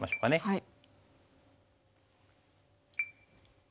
はい。